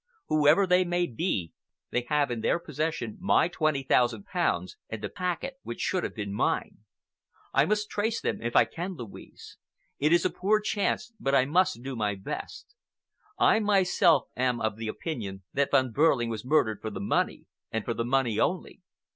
Whoever they may be, they have in their possession my twenty thousand pounds and the packet which should have been mine. I must trace them if I can, Louise. It is a poor chance, but I must do my best. I myself am of the opinion that Von Behrling was murdered for the money, and for the money only.